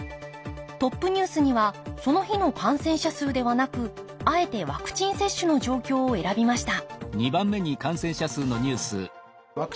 トップニュースにはその日の感染者数ではなくあえてワクチン接種の状況を選びました